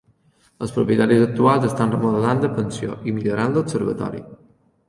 Els propietaris actuals estan remodelant la pensió i millorant l'observatori.